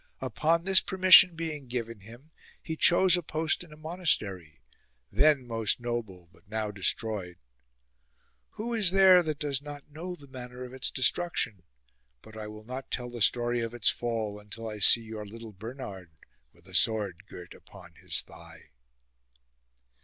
Upon this permission being given him, he chose a post in a monastery then most noble but now de stroyed. (Who is there that does not know the manner of its destruction ! But I will not tell the »35 EISHERE OF THURGAU story of its fall until I see your little Bernard with a sword girt upon his thigh.)